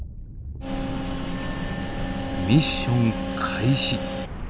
ミッション開始。